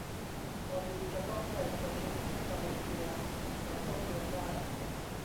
พอดีจะต้องไปประชุมที่มาเลเซียในต้นเดือนหน้า